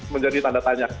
menjadi tanda tanya